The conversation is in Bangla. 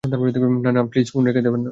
না, না, প্লিজ ফোন রেখে দেবেন না!